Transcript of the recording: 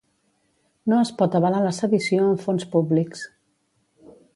No es pot avalar la sedició amb fons públics.